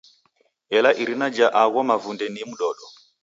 Ela irina ja gho mavunde ni mdodo.